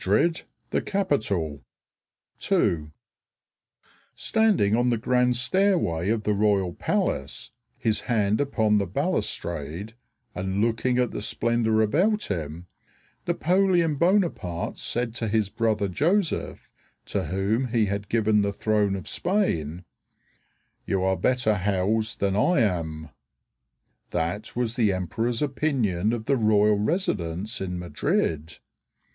[Illustration: ROYAL PALACE, MADRID, SPAIN] SPAIN AND GIBRALTAR Madrid, the Capital TWO Standing on the grand stairway of the Royal Palace, his hand upon the balustrade, and looking at the splendor about him, Napoleon Bonaparte said to his brother Joseph, to whom he had given the throne of Spain, "You are better housed than I am." That was the emperor's opinion of the royal residence in Madrid.